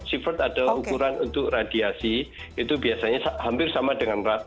sievert ada ukuran untuk radiasi itu biasanya hampir sama dengan rat